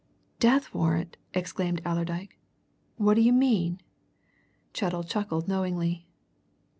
"Death warrant!" exclaimed Allerdyke. "What d'you mean?" Chettle chuckled knowingly.